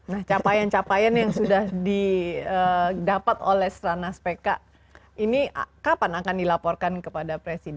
nah capaian capaian yang sudah didapat oleh stranas pk ini kapan akan dilaporkan kepada presiden